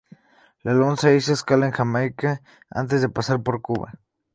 La onda hizo escala en Jamaica antes de pasar por Cuba.